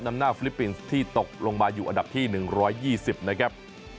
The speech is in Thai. นำหน้าฟิลิปปินส์ที่ตกลงมาอยู่อันดับที่๑๒๐นะครับ